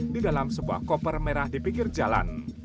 di dalam sebuah koper merah di pinggir jalan